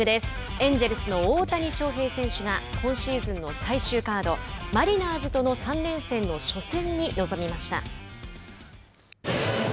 エンジェルスの大谷翔平選手が今シーズンの最終カードマリナーズとの３連戦の初戦に臨みました。